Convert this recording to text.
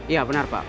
iya benar pak